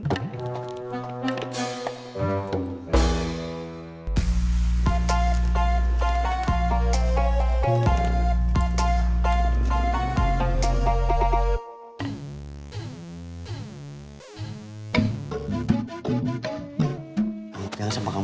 jangan sampai kamu murad balik lagi